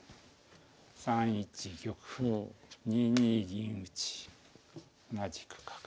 ３一玉２二銀打同じく角。